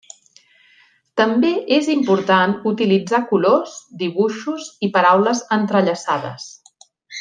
També és important utilitzar colors, dibuixos i paraules entrellaçades.